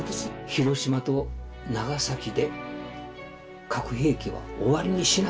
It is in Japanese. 広島と長崎で核兵器は終わりにしなくちゃいけない。